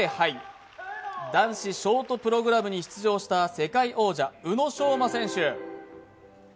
男子ショートプログラムに出場した世界王者・宇野昌磨選手。